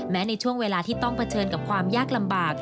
แม้ในช่วงเวลาที่ต้องประเทินกับความยากลำบาก